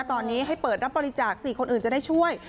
ตอนนี้ให้เปิดรับบริจาคสิคนอื่นจะได้ช่วย